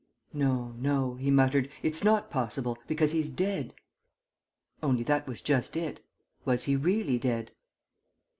"No, no," he muttered, "it's not possible, because he's dead!" Only that was just it ... was he really dead?